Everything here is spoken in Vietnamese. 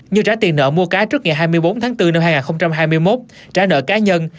như trả tiền nợ mua cá trước ngày hai mươi bốn tháng bốn năm hai nghìn hai mươi một trả nợ cá nhân